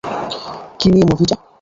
কি নিয়ে মুভিটা?